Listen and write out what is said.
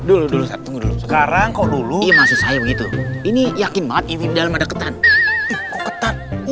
di dalam itu ada orang asing lagi duduk tuh